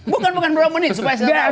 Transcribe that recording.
bukan bukan berapa menit supaya saya tahu